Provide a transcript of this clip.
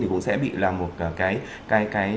thì cũng sẽ bị là một cái